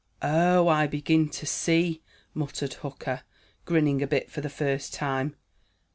"Oh, I begin to see," muttered Hooker, grinning a bit for the first time.